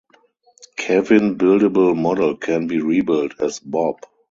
Kevin buildable model can be rebuilt as Bob.